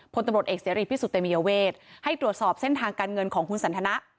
พลตำรวจเอกเสรีพิสุทธิเตมียเวทให้ตรวจสอบเส้นทางการเงินของคุณสันทนะ